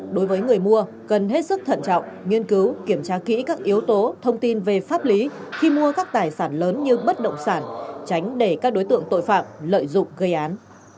đối với người mua cần hết sức thận trọng nghiên cứu kiểm tra kỹ các yếu tố thông tin về pháp lý khi mua các tài sản lớn như bất động sản tránh để các đối tượng tội phạm lợi dụng gây án